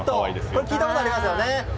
これ、聞いたことありますよね。